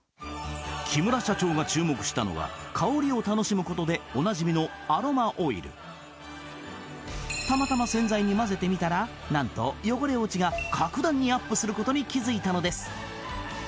木村社長が注目したのは香りを楽しむことでおなじみのアロマオイルたまたま洗剤に混ぜてみたら何と汚れ落ちが格段にアップすることに気づいたのです